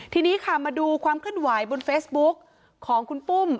ทีนี้ค่ะมาดูความเคลื่อนไหวบนเฟซบุ๊กของคุณปุ้ม